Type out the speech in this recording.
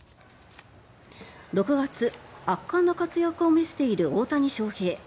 ６月、圧巻の活躍を見せている大谷翔平。